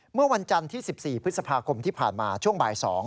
เมื่อวันจันทร์ที่๑๔พฤษภาคมที่ผ่านมาช่วงบ่าย๒